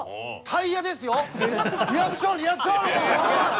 タイヤですよ。